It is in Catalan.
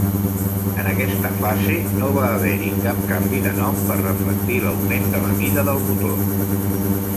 En aquesta fase no va haver-hi cap canvi de nom per reflectir l'augment de la mida del motor.